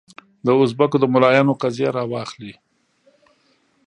د اوزبکو د ملایانو قضیه راواخلې.